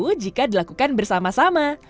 tunggu jika dilakukan bersama sama